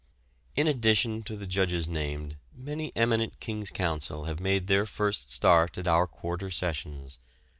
In addition to the judges named many eminent King's counsel have made their first start at our Quarter Sessions.